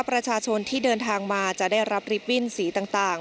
ประชาชนที่เดินทางมาจะได้รับลิฟตบิ้นสีต่าง